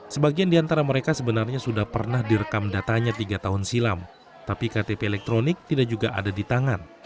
sebagian di antara mereka sebenarnya sudah pernah direkam datanya tiga tahun silam tapi ktp elektronik tidak juga ada di tangan